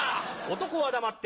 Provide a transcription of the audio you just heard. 男は黙って。